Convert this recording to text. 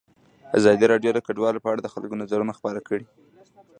ازادي راډیو د کډوال په اړه د خلکو نظرونه خپاره کړي.